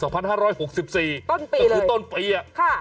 ต้นปีเลยต้นปี